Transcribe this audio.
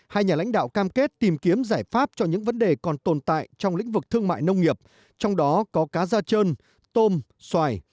hai nhà lãnh đạo cam kết tìm kiếm giải pháp cho những vấn đề còn tồn tại trong lĩnh vực thương mại nông nghiệp trong đó có cá da trơn tôm xoài